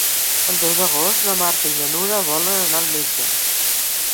El deu d'agost na Marta i na Nura volen anar al metge.